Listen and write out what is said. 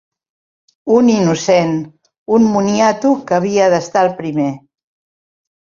Un innocent. Un moniato, que havia d’estar el primer.